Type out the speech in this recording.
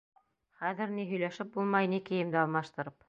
Хәҙер ни һөйләшеп булмай, ни кейемде алмаштырып.